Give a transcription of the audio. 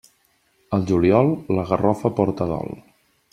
Al juliol, la garrofa porta dol.